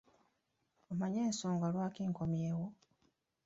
Omanyi ensonga lwaki nkomyewo?